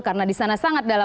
karena di sana sangat dalam